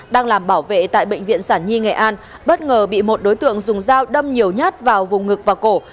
đang làm bảo vệ tại bệnh viện sản nhi nghệ an bất ngờ bị một đối tượng dùng dao đâm nhiều nhát vào vùng ngực và cổ